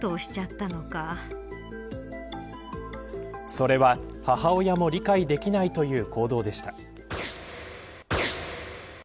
それは母親も理解できないという行動でした。